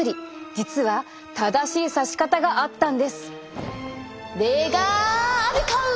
実は正しいさし方があったんです。